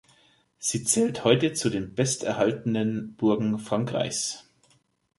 Sie zählt heute zu den besterhaltenen Burgen Frankreichs.